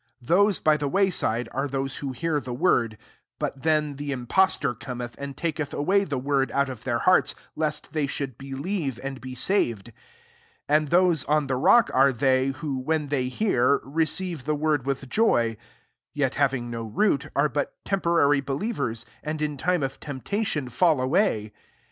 H Those by the way «We are those who hear ihe word : but then the itnpostof coraeth, and taketh awav the word out of thek hearts, lest they should believe and be saved. 13 And those on the rock are they^ who» when they hear, receive the word with joy ; yet having no root) are but temporary believ* ers, and in time of temptation fall away.